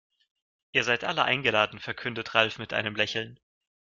Ihr seid alle eingeladen, verkündete Ralf mit einem Lächeln.